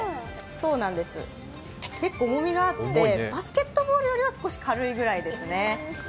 結構重みがあって、バスケットボールよりは少し軽いぐらいですね。